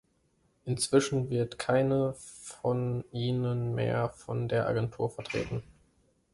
Inzwischen wird keine von ihnen mehr von der Agentur vertreten.